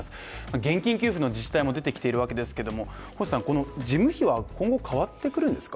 現金給付の自治体も出てきているわけですけども、星さんこの事務費は今後変わってくるんですか。